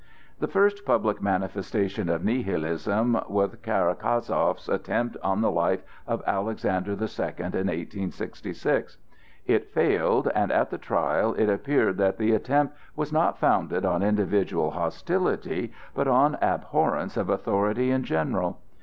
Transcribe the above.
The first public manifestation of Nihilism was Karakasow's attempt on the life of Alexander the Second in 1866. It failed, and at the trial it appeared that the attempt was not founded on individual hostility, but on abhorrence of authority in general.